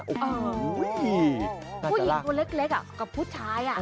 โอ้โฮน่ะจริงก็แหละครับผู้หญิงตัวเล็กกับผู้ชาย